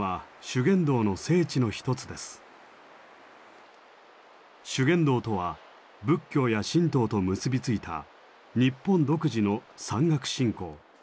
修験道とは仏教や神道と結びついた日本独自の山岳信仰。